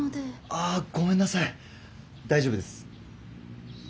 あごめんなさい大丈夫です。